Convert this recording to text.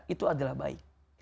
itu adalah baik